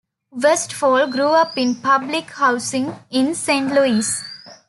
Westfall grew up in public housing in Saint Louis.